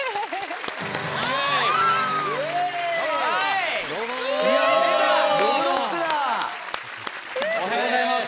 おはようございます。